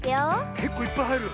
けっこういっぱいはいる。